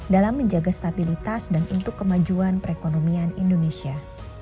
dalam menjaga stabilitas dan untuk kemajuan perekonomian indonesia